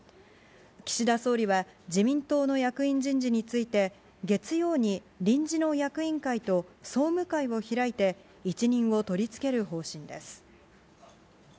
岸田総理は、自民党の役員人事について、月曜に臨時の役員会と、総務会を開いて、一任を取りつける方針です。